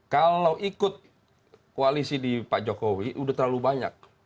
kalau ikut koalisi di pak jokowi udah terlalu banyak